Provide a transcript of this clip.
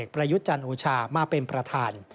ประยุทธ์จันทร์โอชามาเป็นประธาน